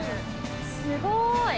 すごい！